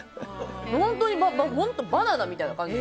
本当にバナナみたいな感じ。